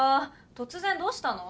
突然どうしたの？